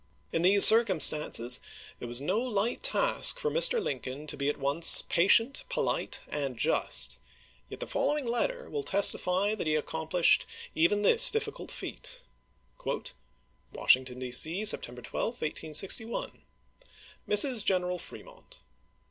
In these cii'cumstances it was no light task for Mr. Lincoln to be at once patient, polite, and just ; yet the following letter will testify that he accom plished even this difficult feat: Washington, D. C, Sept. 12, 1861. Mrs. General Fr:emont.